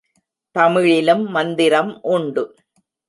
தமிழிலும் மந்திரம் உண்டு.